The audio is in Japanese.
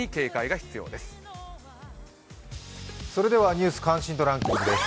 「ニュース関心度ランキング」です。